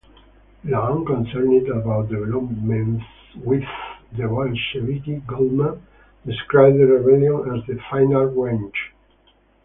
Long-concerned about developments with the "Bolsheviki", Goldman described the rebellion as the "final wrench.